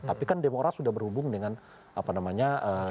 tapi kan demokrat sudah berhubung dengan apa namanya